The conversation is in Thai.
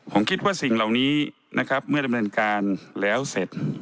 ผมคิดว่าสิ่งเหล่านี้เมื่อระบันการแล้วเสร็จ